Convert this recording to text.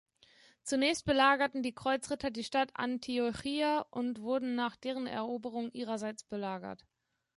Zunächst belagerten die Kreuzritter die Stadt Antiochia und wurden nach deren Eroberung ihrerseits belagert.